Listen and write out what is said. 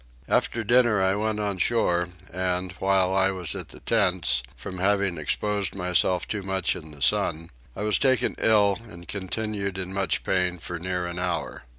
After dinner I went on shore and, while I was at the tents, from having exposed myself too much in the sun, I was taken ill and continued in much pain for near an hour.